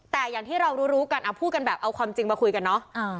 แต่อย่างที่เรารู้กันพูดกันแบบเอาความจริงมาคุยกันเนาะ